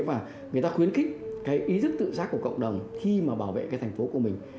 và người ta khuyến khích cái ý thức tự giác của cộng đồng khi mà bảo vệ cái thành phố của mình